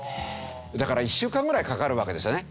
だから１週間ぐらいかかるわけですよね。